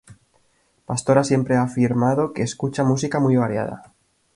Pastora siempre ha afirmado que escucha música muy variada.